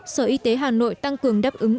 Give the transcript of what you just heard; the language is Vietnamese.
sở y tế hà nội tăng cường đáp ứng